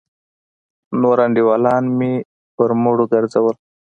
نور انډيوالان مې پر مړيو گرځېدل.